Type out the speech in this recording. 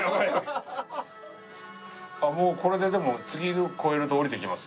もうこれででも次の越えると下りていきますよ。